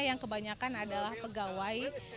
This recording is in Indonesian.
yang kebanyakan adalah pegawai